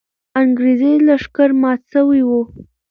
انګریزي لښکر مات سوی وو.